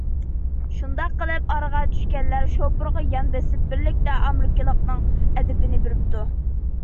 شۇنداق قىلىپ، ئارىغا چۈشكەنلەر شوپۇرغا يان بېسىپ، بىرلىكتە ئامېرىكىلىقنىڭ ئەدىپىنى بېرىپتۇ.